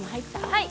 はい！